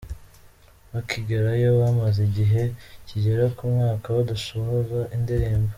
Bakigerayo, bamaze igihe kigera ku mwaka badasohora indirimbo.